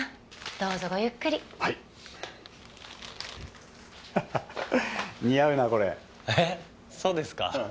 どうぞごゆっくりはいハハッ似合うなこれえっそうですか？